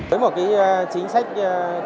với một chính sách kỷ cường